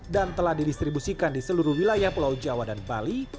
dan telah didistribusikan di seluruh wilayah pulau jawa dan bali